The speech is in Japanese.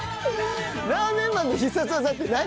ラーメンマンの必殺技って何？